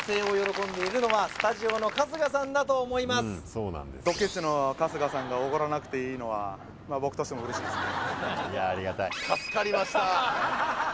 そして何よりもドケチの春日さんがおごらなくていいのはまあ僕としても嬉しいですね